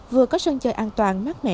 vừa có sân chơi an toàn mát mẻ